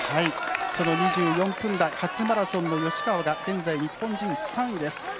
その２４分台初マラソンの吉川が現在日本人３位です。